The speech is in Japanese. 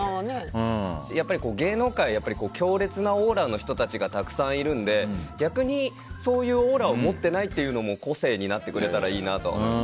やっぱり芸能界は強烈なオーラの方がたくさんいるので逆にそういうオーラを持っていないというのも個性になってくれたらいいなと。